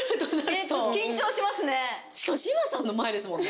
しかも志麻さんの前ですもんね。